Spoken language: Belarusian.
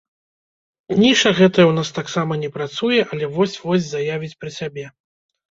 Ніша гэтая ў нас таксама не працуе, але вось-вось заявіць пра сябе.